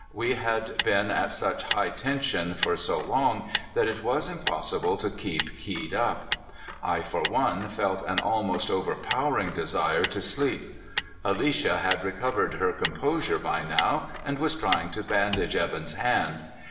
We had been at such high tension for so long that it was impossible to keep keyed up. I, for one, felt an almost overpowering desire to sleep. Alicia had recovered her composure by now and was trying to bandage Evan's hand.